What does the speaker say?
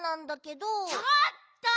ちょっと！